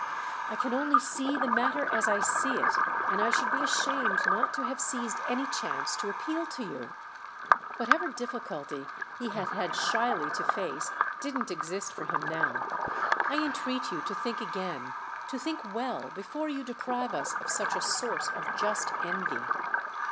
"I can only see the matter as I see it, and I should be ashamed not to have seized any chance to appeal to you." Whatever difficulty he had had shyly to face didn't exist for him now. "I entreat you to think again, to think well, before you deprive us of such a source of just envy."